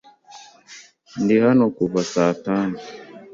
Ndi hano kuva saa tanu.